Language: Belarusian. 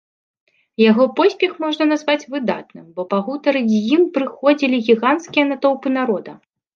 Яго поспех можна назваць выдатным, бо пагутарыць з ім прыходзілі гіганцкія натоўпы народа.